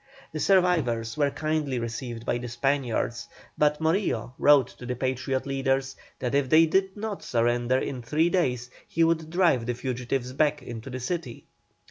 The survivors were kindly received by the Spaniards, but Morillo wrote to the Patriot leaders that if they did not surrender in three days he would drive the fugitives back into the city.